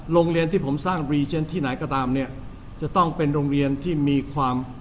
โรงเรียนที่ผมสร้างรีเจนที่ไหนก็ตามเนี่ยจะต้องเป็นโรงเรียนที่มีความ